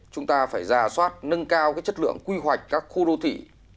chúng ta phải giả soát nâng cao chất lượng quy hoạch các khu đô thị